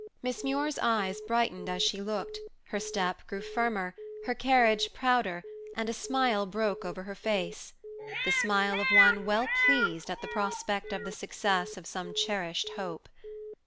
Miss Muir's eyes brightened as she looked, her step grew firmer, her carriage prouder, and a smile broke over her face; the smile of one well pleased at the prospect of the success of some cherished hope.